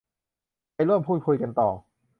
ไปร่วมพูดคุยกันต่อ